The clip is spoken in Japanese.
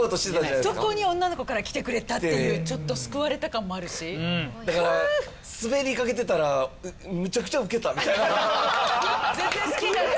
とこに女の子から来てくれたっていうちょっと救われた感もあるしだからスベりかけてたらめちゃくちゃウケたみたいな絶対好きになるやつだ！